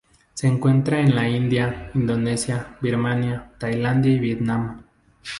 Se encuentra en la India, Indonesia, Birmania, Tailandia y Vietnam.